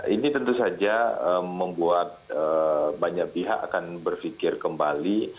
ini tentu saja membuat banyak pihak akan berpikir kembali